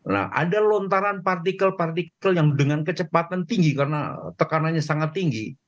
nah ada lontaran partikel partikel yang dengan kecepatan tinggi karena tekanannya sangat tinggi